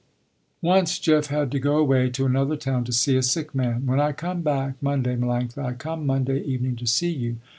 Once Jeff had to go away to another town to see a sick man. "When I come back Monday Melanctha, I come Monday evening to see you.